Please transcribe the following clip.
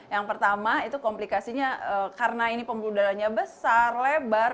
yang pertama itu komplikasinya karena ini pembuluh darahnya besar lebar